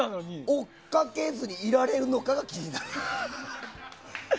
追っかけずにいられるのかが気になる。